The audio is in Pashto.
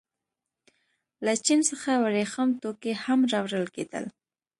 له چین څخه ورېښم توکي هم راوړل کېدل.